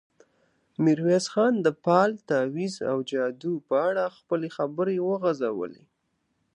ميرويس خان د فال، تاويذ او جادو په اړه خپلې خبرې وغځولې.